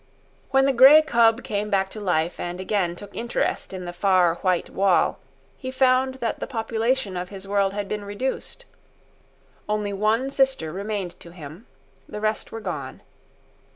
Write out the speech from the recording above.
When the grey cub came back to life and again took interest in the far white wall, he found that the population of his world had been reduced. Only one sister remained to him. The rest were gone.